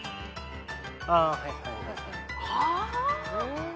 ああはいはいはいはい。